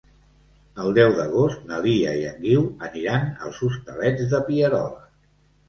El deu d'agost na Lia i en Guiu aniran als Hostalets de Pierola.